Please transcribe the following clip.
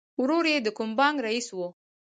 ورور یې د کوم بانک رئیس و